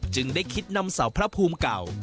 ได้คิดนำเสาพระภูมิเก่า